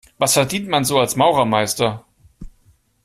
Was verdient man so als Maurermeister?